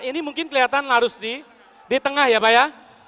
ini mungkin kelihatan larus di tengah ya pak ya